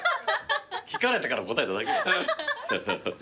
聞かれたから答えただけ。